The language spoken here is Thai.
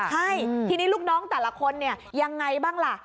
ใช่ทีนี้ลูกน้องแต่ละคนเนี่ยยังไงบ้างล่ะ